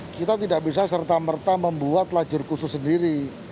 kita tidak bisa serta merta membuat lajur khusus sendiri